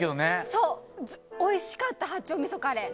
そう、おいしかった八丁味噌カレー。